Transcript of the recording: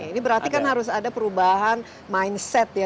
ini berarti kan harus ada perubahan mindset ya